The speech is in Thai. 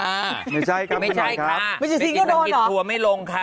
ไม่ใช่ค่ะไม่ใช่ค่ะแม่จิกสิงค์ทัวร์โดนหรอแม่จิกสิงค์ทัวร์ไม่ลงค่ะ